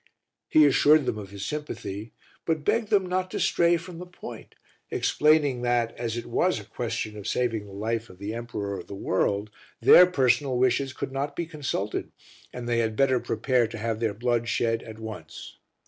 He assured them of his sympathy, but begged them not to stray from the point, explaining that, as it was a question of saving the life of the Emperor of the World, their personal wishes could not be consulted and they had better prepare to have their blood shed at once.